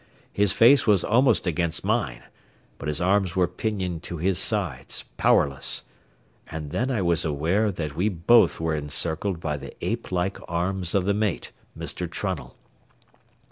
His face was almost against mine, but his arms were pinioned to his sides, powerless, and then I was aware that we both were encircled by the ape like arms of the mate, Mr. Trunnell.